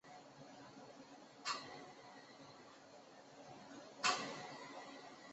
噶玛兰周刊为宜兰培养了多位人才。